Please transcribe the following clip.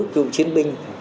cựu chiến binh